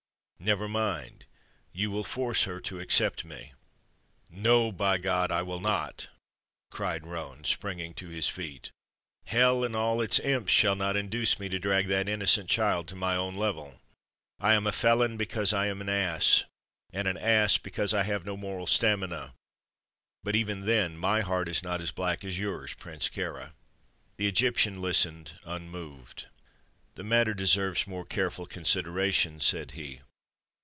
"Never mind. You will force her to accept me." "No, by God, I will not!" cried Roane, springing to his feet. "Hell and all its imps shall not induce me to drag that innocent child to my own level. I am a felon because I am an ass, and an ass because I have no moral stamina; but even then, my heart is not as black as yours, Prince Kāra!" The Egyptian listened unmoved. "The matter deserves more careful consideration," said he.